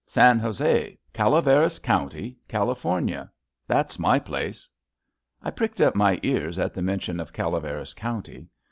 '' San Jose, * Calaveras Comity, California: that's my place." I pricked up my ears at the mention of Calaveras County.